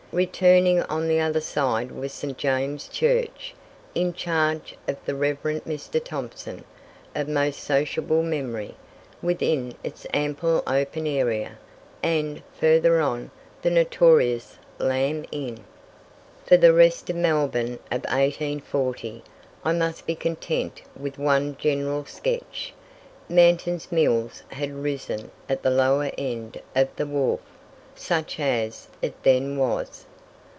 Returning on the other side was St. James's Church, in charge of the Reverend Mr. Thomson, of most sociable memory, within its ample open area, and, further on, the notorious Lamb Inn. For the rest of Melbourne of 1840 I must be content with one general sketch. Manton's Mills had arisen at the lower end of "the wharf," such as it then was.